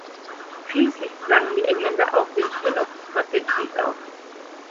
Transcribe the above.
Schließlich zwangen die Engländer auch den Penobscot den Krieg auf.